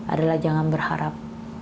adalah jangan berharap